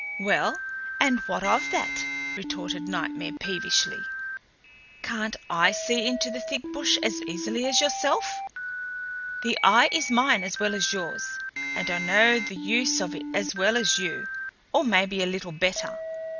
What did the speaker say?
"Well, and what of that?" retorted Nightmare, peevishly. "Can't I see into a thick bush as easily as yourself? The eye is mine as well as yours; and I know the use of it as well as you, or maybe a little better.